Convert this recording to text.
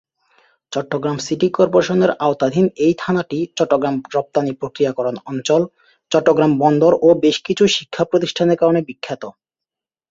Chittagong city কর্পোরেশনের আওতাধীন এই থানাটি চট্টগ্রাম রপ্তানি প্রক্রিয়াকরণ অঞ্চল, চট্টগ্রাম বন্দর ও বেশকিছু শিক্ষা প্রতিষ্ঠানের কারণে বিখ্যাত।